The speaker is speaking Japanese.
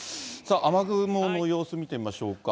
雨雲の様子を見てみましょうか。